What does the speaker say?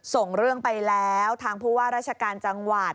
ส่งเรื่องไปแล้วทางผู้ว่าราชการจังหวัด